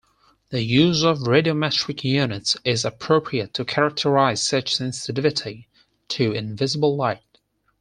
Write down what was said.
The use of radiometric units is appropriate to characterize such sensitivity to invisible light.